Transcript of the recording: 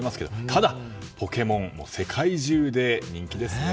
ただ、「ポケモン」は世界中で人気ですね。